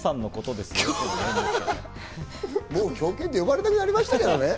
もう狂犬って呼ばれなくなりましたけどね。